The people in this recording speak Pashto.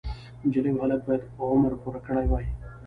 نجلۍ او هلک باید عمر پوره کړی وای.